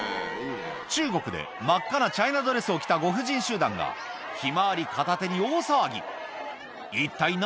中国で真っ赤なチャイナドレスを着たご婦人集団が、ひまわり片手に大騒ぎ。